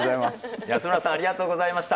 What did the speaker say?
安村さんありがとうございました。